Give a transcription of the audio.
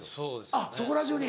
あっそこら中に。